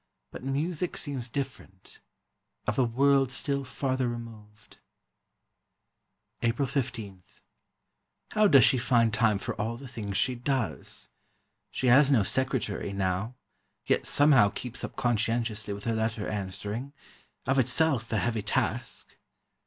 But music seems different,—of a world still farther removed." April 15: How does she find time for all the things she does? She has no secretary, now, yet somehow keeps up conscientiously with her letter answering—of itself a heavy task.